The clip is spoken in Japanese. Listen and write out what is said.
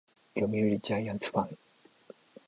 読売ジャイアンツファン